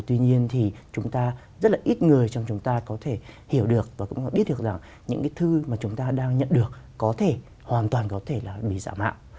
tuy nhiên thì chúng ta rất là ít người trong chúng ta có thể hiểu được và cũng biết được rằng những cái thư mà chúng ta đang nhận được có thể hoàn toàn có thể là bị giả mạo